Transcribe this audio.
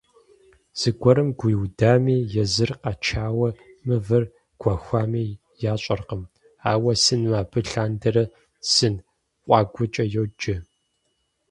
Зыгуэрым гуиудами, езыр къачэу мывэр гуэхуами ящӀэркъым, ауэ сыным абы лъандэрэ «Сын къуагуэкӀэ» йоджэ.